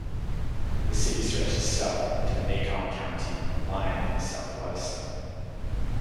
The city stretches south to the Macon County line in the southwest.